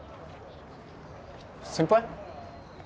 先輩？